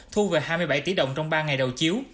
thu về hai mươi bảy tỷ đồng trong ba ngày đầu chiếu